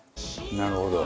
なるほど。